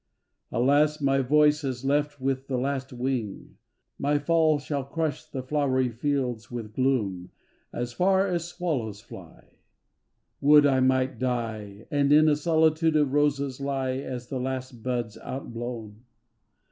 alas! My voice has left with the last wing, my fall Shall crush the flowery fields with gloom, as far i8s l86 THE DEPARTURE OF PROSERPINE As swallows fly. Would I might die And in a solitude of roses lie As the last bud's outblown.